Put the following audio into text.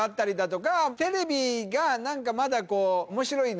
テレビが何かまだこう。